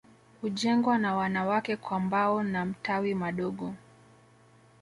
Hujengwa na wanawake kwa mbao na mtawi madogo